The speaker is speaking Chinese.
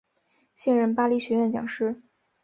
现任巴德学院讲师。